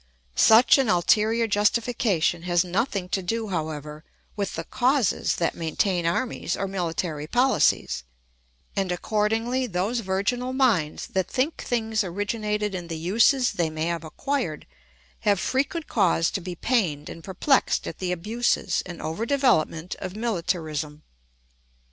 Such an ulterior justification has nothing to do, however, with the causes that maintain armies or military policies: and accordingly those virginal minds that think things originated in the uses they may have acquired, have frequent cause to be pained and perplexed at the abuses and over development of militarism.